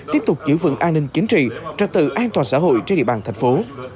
tiếp tục giữ vững an ninh chính trị trật tự an toàn xã hội trên địa bàn thành phố